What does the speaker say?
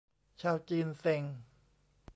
ชาวจีนเซ็ง !